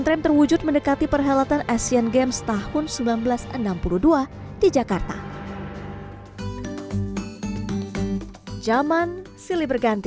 tren terwujud mendekati perhelatan asian games tahun seribu sembilan ratus enam puluh dua di jakarta zaman silih berganti